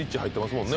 もんね